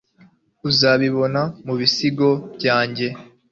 uzabibona mubisigo byanjye